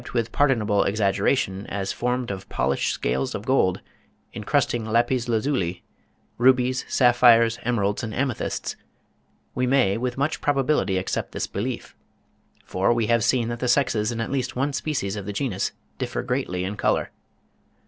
with pardonable exaggeration, as formed of polished scales of gold, encrusting lapis lazuli, rubies, sapphires, emeralds, and amethysts—we may, with much probability, accept this belief; for we have seen that the sexes in at least one species of the genus differ greatly in colour.